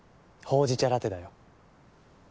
ほうじ茶ラテだよ。